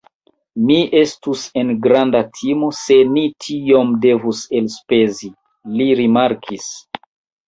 Mi estus en granda timo, se ni tiom devus elspezi, li rimarkis.